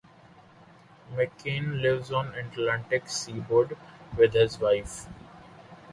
McCain lives on the Atlantic Seaboard with his wife.